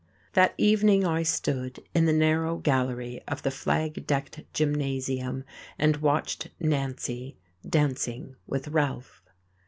That evening I stood in the narrow gallery of the flag decked gymnasium and watched Nancy dancing with Ralph.